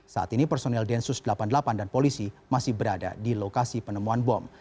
saat ini personil densus delapan puluh delapan dan polisi masih berada di lokasi penemuan bom